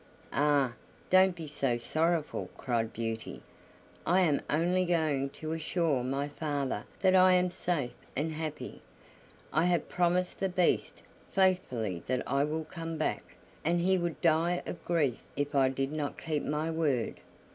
"Ah! don't be so sorrowful," cried Beauty; "I am only going to assure my father that I am safe and happy. I have promised the Beast faithfully that I will come back, and he would die of grief if I did not keep my word!"